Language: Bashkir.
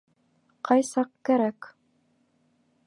— Ҡай саҡ кәрәк.